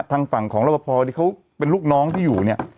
ทางฝั่งของรับประพอที่เขาเป็นลูกน้องที่อยู่เนี่ย